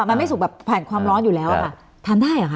มันไม่สุกแบบผ่านความร้อนอยู่แล้วอะค่ะทานได้เหรอคะ